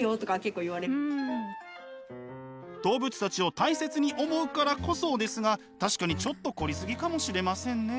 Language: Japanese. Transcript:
動物たちを大切に思うからこそですが確かにちょっと凝り過ぎかもしれませんね。